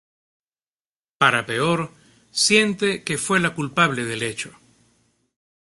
Para peor, siente que fue la culpable del hecho.